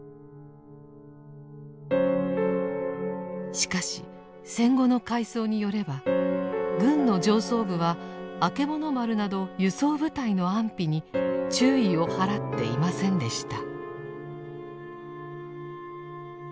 しかし戦後の回想によれば軍の上層部はあけぼの丸など輸送部隊の安否に注意を払っていませんでした。